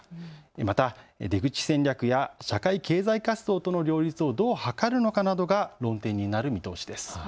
また出口戦略や社会経済活動との両立をどう図るのかなどが論点になる見通しです。